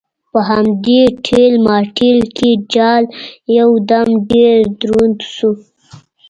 په همدې ټېل ماټېل کې جال یو دم ډېر دروند شو.